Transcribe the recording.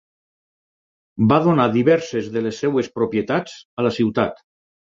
Va donar diverses de les seves propietats a la ciutat.